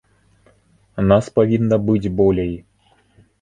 Нас павінна быць болей!